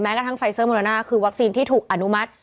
กระทั่งไฟเซอร์โมโรนาคือวัคซีนที่ถูกอนุมัติ